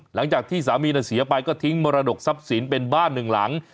หลังจากที่สามีเสียไปก็ทิ้งมรดกทรัพย์สินเป็นบ้านหนึ่งหลัง